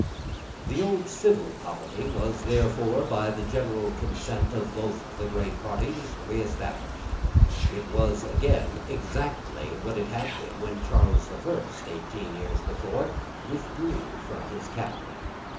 The old civil polity was, therefore, by the general consent of both the great parties, reestablished. It was again exactly what it had been when Charles the First, eighteen years before, withdrew from his capital.